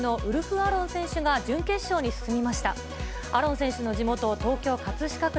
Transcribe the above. アロン選手の地元、東京・葛飾区